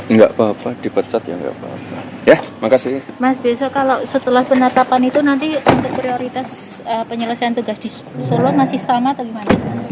nggak apa apa dipecat ya nggak apa apa ya makasih mas besok